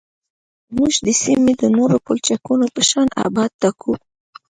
موږ د سیمې د نورو پلچکونو په شان ابعاد ټاکو